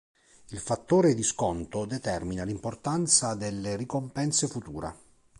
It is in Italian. Il fattore di sconto determina l'importanza delle ricompense future.